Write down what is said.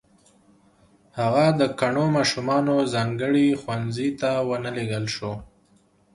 هغه د کڼو ماشومانو ځانګړي ښوونځي ته و نه لېږل شو